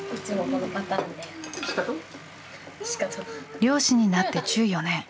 漁師になって１４年。